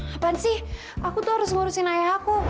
kapan sih aku tuh harus ngurusin ayah aku